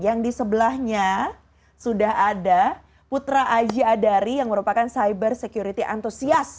yang di sebelahnya sudah ada putra aji adari yang merupakan cyber security antusias